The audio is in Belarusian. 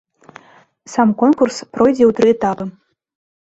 Сам конкурс пройдзе ў тры этапы.